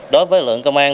đối với lượng tiền